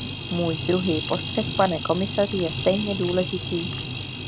Můj druhý postřeh, pane komisaři, je stejně důležitý.